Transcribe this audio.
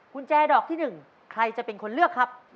คุณแจดอกที่๑ใครจะเป็นคนเลือกครับ